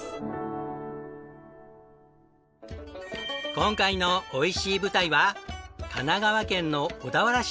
今回の美味しい舞台は神奈川県の小田原市。